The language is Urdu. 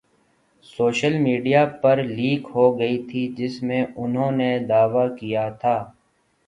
سوشل میڈیا پر لیک ہوگئی تھی جس میں انہوں نے دعویٰ کیا تھا